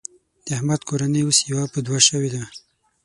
د احمد کورنۍ اوس يوه په دوه شوېده.